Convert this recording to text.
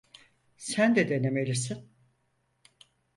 Sen de denemelisin.